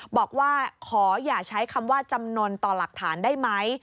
บอกว่าขออย่าใช้คำว่าจำนวนต่อหลักฐานได้ไหม